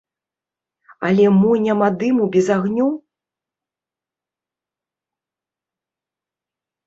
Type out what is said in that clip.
Але мо няма дыму без агню?